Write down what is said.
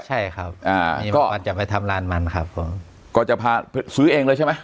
ใช่ครับอ่าก็อาจจะไปทำร้านมันครับผมก็จะพาซื้อเองเลยใช่ไหม